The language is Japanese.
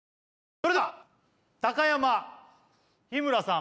それでは高山日村さん